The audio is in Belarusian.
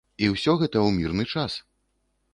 І ўсё гэта ў мірны час.